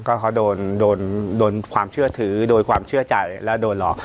ก็เขาโดนโดนความเชื่อถือโดยความเชื่อใจและโดนหลอก